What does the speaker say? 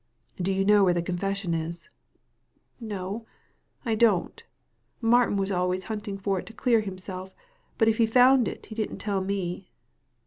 " Do you know where the confession is ?" "No, I don't Martin was always hunting for it to clear himself, but if he found it he didn't tell me."